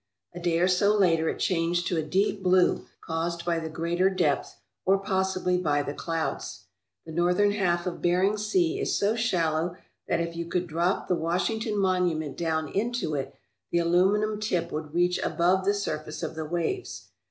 A day or so later it changed to a deep blue, caused by the greater depth, or possibly by the clouds. The northern half of Bering Sea is so shallow that if you could drop the Washington Monument down into it the aluminum tip would reach above the surface of the waves.